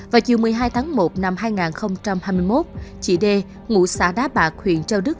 vào chiều một mươi hai tháng một năm hai nghìn hai mươi một chị đê ngụ xã đá bạc huyện châu đức